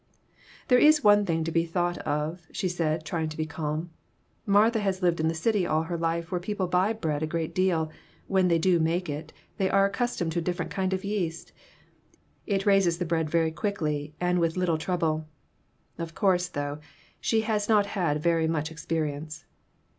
"There is one thing to be thought of," she said, trying to be calm. " Martha has lived in the city all her life where people buy bread a great deal ; when they do make it they are accus tomed to a different kind of yeast ; it raises the bread very quickly and with little trouble. Of course, though, she has not had very much experience."